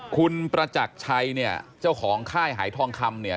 คุณประจักรชัยเนี่ยเจ้าของค่ายหายทองคำเนี่ย